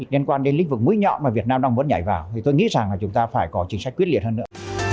liên quan đến lĩnh vực mũi nhọn mà việt nam đang muốn nhảy vào thì tôi nghĩ rằng là chúng ta phải có chính sách quyết liệt hơn nữa